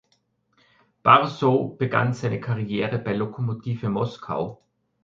Barsow begann seine Karriere bei Lokomotive Moskau.